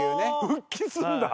復帰すんだ。